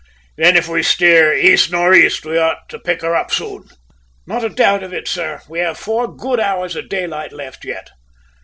"Then if we steer east nor' east we ought to pick her up soon?" "Not a doubt of it, sir. We have four good hours of daylight left yet!"